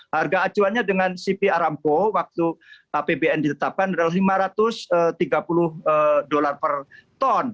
harga acuannya dengan cp aramco waktu apbn ditetapkan adalah lima ratus tiga puluh dolar per ton